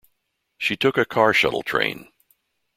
She took a car shuttle train.